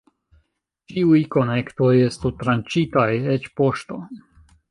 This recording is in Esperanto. Ĉiuj konektoj estu tranĉitaj, eĉ poŝto.